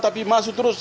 tapi masuk terus